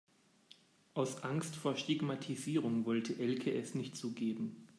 Aus Angst vor Stigmatisierung wollte Elke es nicht zugeben.